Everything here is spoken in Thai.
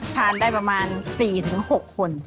ทานได้ประมาณ๔๖คน